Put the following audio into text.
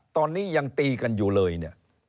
ตอนนี้ยังตีกันอยู่เลยเนี่ย